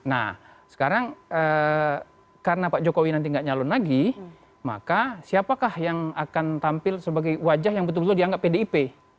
nah sekarang karena pak jokowi nanti gak nyalon lagi maka siapakah yang akan tampil sebagai wajah yang betul betul dianggap pdip